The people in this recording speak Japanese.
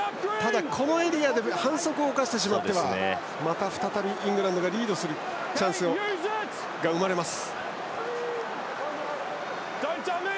このエリアで反則を犯してしまってはまた再びイングランドがリードするチャンスが生まれます。